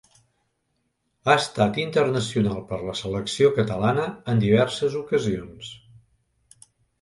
Ha estat internacional per la selecció catalana en diverses ocasions.